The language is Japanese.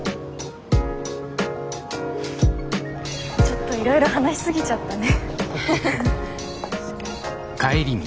ちょっといろいろ話し過ぎちゃったね。